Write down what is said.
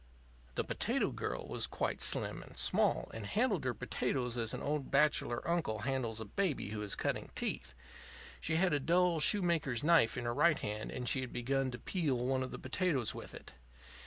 The potato girl was quite slim and small, and handled her potatoes as an old bachelor uncle handles a baby who is cutting teeth. She had a dull shoemaker's knife in her right hand, and she had begun to peel one of the potatoes with it.